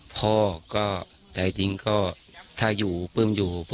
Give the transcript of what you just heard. พ่อก็ใจจริงก็ถ้าอยู่ปลื้มอยู่